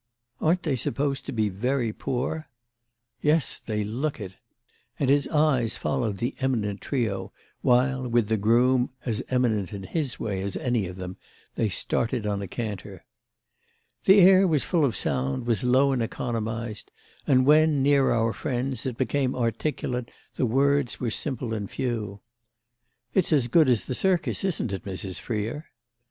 "Aren't they supposed to be very poor?" "Yes, they look it!" And his eyes followed the eminent trio while, with the groom, as eminent in his way as any of them, they started on a canter. The air was full of sound, was low and economised; and when, near our friends, it became articulate the words were simple and few. "It's as good as the circus, isn't it, Mrs. Freer?"